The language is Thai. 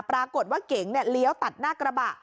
ปรากฏว่าเก๋งเลี้ยวตัดหน้ากระบะ